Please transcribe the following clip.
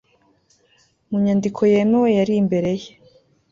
Mu nyandiko yemewe yari imbere ye